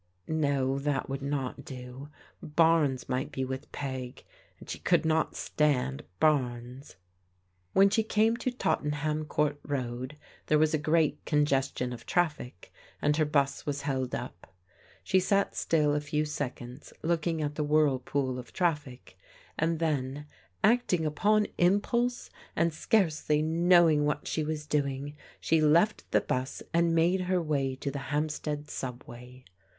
No, that would not do ; Barnes might be with Peg, and she could not stand Barnes. When she came to Tottenham Court Road, there was a great congestion of traffic, and her 'bus was held up. I She sat still a few seconds, looking at the whirlpool of traffic, and then, acting upon impulse, and scarcely know ing what she was doing, she left the 'bus, and made her way to the Hampstead Subway.